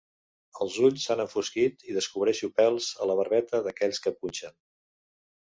Els ulls s'han enfosquit i descobreixo pèls a la barbeta d'aquells que punxen.